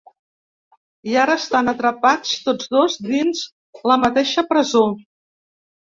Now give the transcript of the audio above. I ara estan atrapats tots dos dins la mateixa presó.